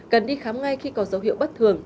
cần đi khám ngay khi có dấu hiệu bất thường